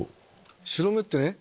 白目ってね